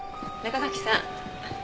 中垣さん。